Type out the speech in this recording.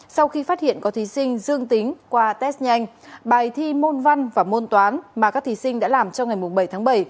sau khi phát hiện có thí sinh dương tính qua test nhanh bài thi môn văn và môn toán mà các thí sinh đã làm trong ngày bảy tháng bảy